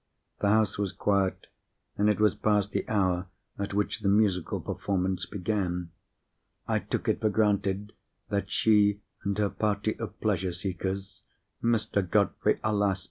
The house was quiet, and it was past the hour at which the musical performance began. I took it for granted that she and her party of pleasure seekers (Mr. Godfrey, alas!